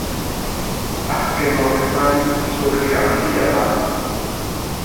Azken horretan, izurri handia da.